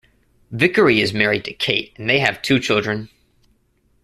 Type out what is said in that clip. Vickery is married to Kate and they have two children.